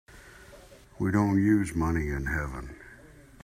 We don't use money in heaven.